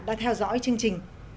đã theo dõi chương trình